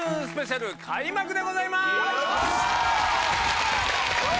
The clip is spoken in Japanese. スペシャル開幕でございます！